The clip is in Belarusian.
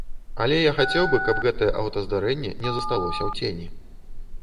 Але я хацеў бы, каб гэтае аўтаздарэнне не засталося ў цені.